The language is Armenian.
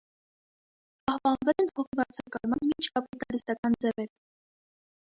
Պահպանվել են հողի վարձակալման մինչկապիտալիստական ձևերը։